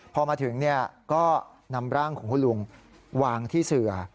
พอมาถึงก็นำร่างของคุณลุงวางที่เสือ